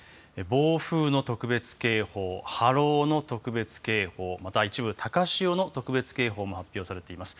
暴風の特別警報、波浪の特別警報、また一部高潮の特別警報が発表されています。